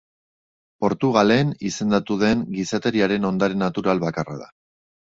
Portugalen izendatu den Gizateriaren Ondare Natural bakarra da.